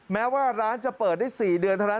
แม้ว่าร้านจะเปิดได้๔เดือนเท่านั้น